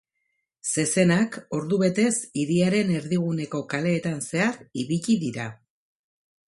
Zezenak ordu betez hiriaren erdiguneko kaleetan zehar ibili dira.